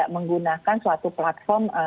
menggunakan suatu platform